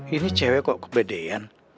ini cewek kok kebedean